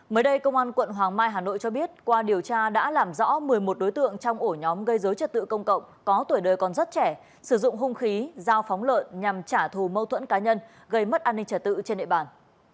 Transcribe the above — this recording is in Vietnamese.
mới đây công an quận hoàng mai hà nội cho biết qua điều tra đã làm rõ một mươi một đối tượng trong ổ nhóm gây dối trật tự công cộng có tuổi đời còn rất trẻ sử dụng hung khí giao phóng lợn nhằm trả thù mâu thuẫn cá nhân gây mất an ninh trả tự trên địa bàn